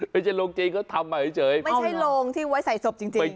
ไม่ใช่โรงจีนเขาทำมาเฉยไม่ใช่โรงที่ไว้ใส่ศพจริง